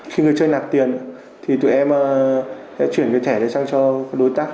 khi người chơi nạp tiền thì tụi em sẽ chuyển cái thẻ đấy sang cho đối tác